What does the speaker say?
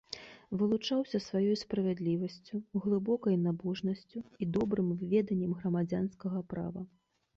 Вылучаўся сваёй справядлівасцю, глыбокай набожнасцю і добрым веданнем грамадзянскага права.